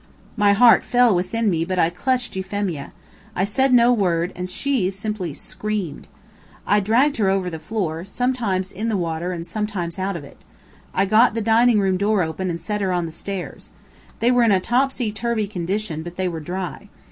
My heart fell within me, but I clutched Euphemia. I said no word, and she simply screamed. I dragged her over the floor, sometimes in the water and sometimes out of it. I got the dining room door open and set her on the stairs. They were in a topsy turvy condition, but they were dry.